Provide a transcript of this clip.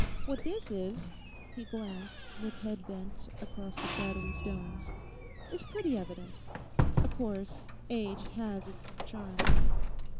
What this is'—he glanced, with head bent, across the shadowy stones, 'is pretty evident. Of course, age has its charms.